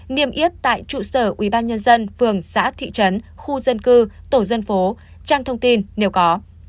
niêm yết tại trụ sở ubnd phường xã thị trấn khu dân cư tổ dân phố trang thông tin nếu có